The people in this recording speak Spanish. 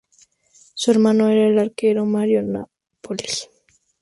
Su hermano era el arqueólogo Mario Napoli.